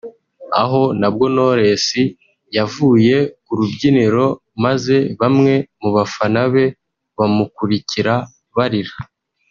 aho nabwo Knowless yavuye ku rubyiniro maze bamwe mu bafana be bamukurikira barira